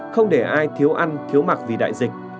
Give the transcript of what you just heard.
không để ai thiếu ăn thiếu mặc vì đại dịch